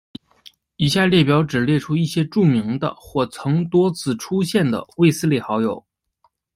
以下列表只列出一些著名的或曾多次出现的卫斯理好友。